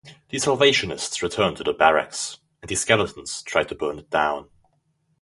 The Salvationists returned to their "barracks" and the Skeletons tried to burn it down.